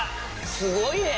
すごいよ！